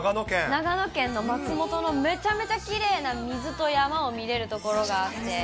長野県の松本のめちゃくちゃきれいな水外山を見れる所があって。